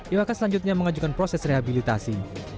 iwak selanjutnya mengajukan proses rehabilitasi